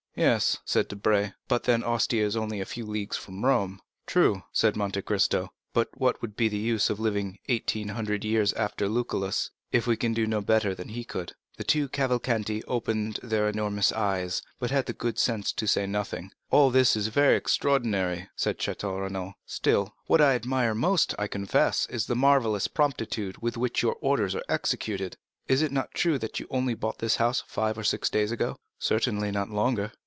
"Yes," said Debray, "but then Ostia is only a few leagues from Rome." "True," said Monte Cristo; "but what would be the use of living eighteen hundred years after Lucullus, if we can do no better than he could?" The two Cavalcanti opened their enormous eyes, but had the good sense not to say anything. "All this is very extraordinary," said Château Renaud; "still, what I admire the most, I confess, is the marvellous promptitude with which your orders are executed. Is it not true that you only bought this house five or six days ago?" "Certainly not longer."